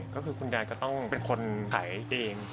ก็คือคุณยายก็ต้องเป็นคนขายเอง